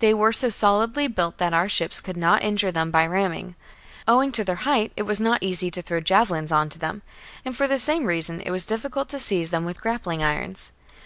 They were so solidly built that our ships could not injure them by ramming ; owing to their height, it was not easy to throw javelins on to them ; and for the same reason it was difficult to seize them with grappling irons.